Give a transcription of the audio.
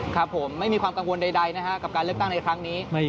ครับผมไม่มีความกังวลใดนะฮะกับการเลือกตั้งในครั้งนี้